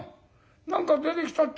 何か出てきたって